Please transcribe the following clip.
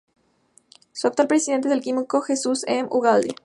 Su actual Presidente es el químico Jesus M. Ugalde.